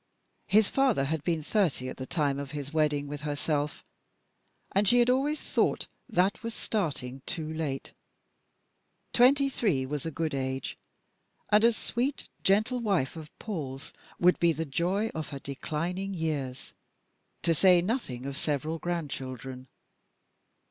His father had been thirty at the time of his wedding with herself, and she had always thought that was starting too late. Twenty three was a good age, and a sweet, gentle wife of Paul's would be the joy of her declining years to say nothing of several grandchildren.